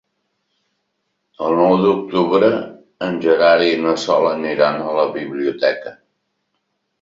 El nou d'octubre en Gerard i na Sol aniran a la biblioteca.